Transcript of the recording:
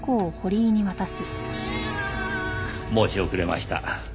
申し遅れました。